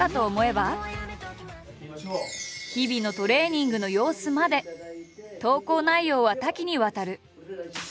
日々のトレーニングの様子まで投稿内容は多岐にわたる。